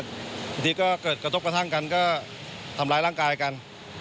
บางทีก็เกิดกระทบกระทั่งกันก็ทำร้ายร่างกายกัน